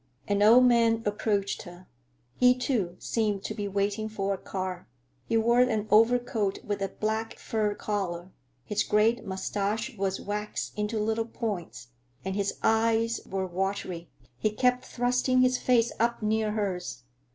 An old man approached her. He, too, seemed to be waiting for a car. He wore an overcoat with a black fur collar, his gray mustache was waxed into little points, and his eyes were watery. He kept thrusting his face up near hers.